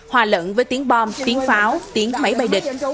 hòa lẫn với tiếng bom tiếng pháo tiếng máy bay địch